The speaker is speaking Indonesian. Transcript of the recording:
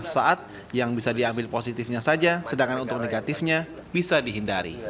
sesaat yang bisa diambil positifnya saja sedangkan untuk negatifnya bisa dihindari